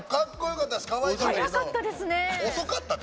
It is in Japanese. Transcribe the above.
かわいいし早かったけど遅かったね。